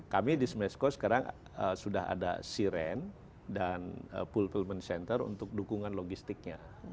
kami di smesco sekarang sudah ada siren dan pulvement center untuk dukungan logistiknya